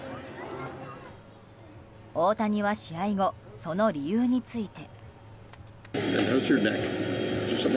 大谷は試合後、その理由について。